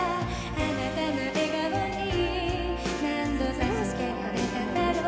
「あなたの笑顔に何度助けられただろう」